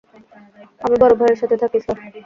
আমি বড় ভাইয়ের সাথে থাকি, স্যার।